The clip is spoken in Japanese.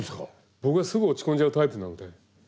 僕はすぐ落ち込んじゃうタイプなので。